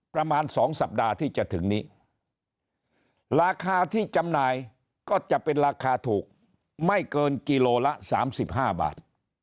ประมาณ๒สัปดาห์ที่จะถึงนี้ราคาที่จำหน่ายก็จะเป็นราคาถูกไม่เกินกิโลละ๓๕บาท